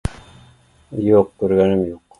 Юҡ күргәнем юҡ